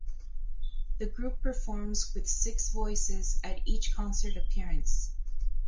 The group performs with six voices at each concert appearance.